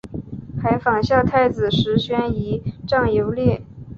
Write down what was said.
还仿效太子石宣仪仗游猎。